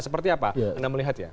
seperti apa anda melihat ya